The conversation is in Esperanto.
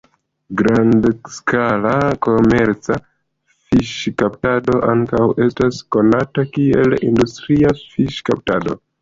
Grandskala komerca fiŝkaptado ankaŭ estas konata kiel industria fiŝkaptado.